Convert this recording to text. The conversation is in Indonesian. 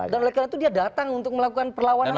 dan oleh karena itu dia datang untuk melakukan perlawanan itu